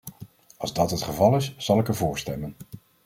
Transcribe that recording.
Als dat het geval is, zal ik er voor stemmen.